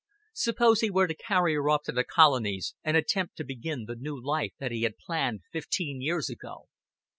Suppose he were to carry her off to the Colonies, and attempt to begin the new life that he had planned fifteen years ago.